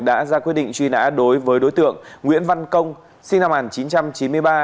đã ra quyết định truy nã đối với đối tượng nguyễn văn công sinh năm một nghìn chín trăm chín mươi ba